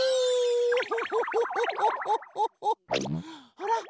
あら？